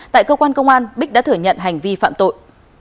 tại cơ quan công an bích đã thừa nhận hành vi phạm tội